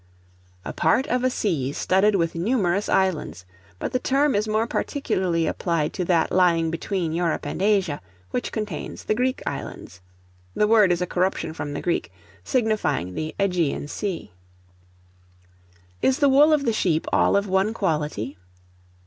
A part of a sea studded with numerous islands; but the term is more particularly applied to that lying between Europe and Asia, which contains the Greek Islands. The word is a corruption from the Greek, signifying the Ægean Sea. Is the Wool of the sheep all of one quality?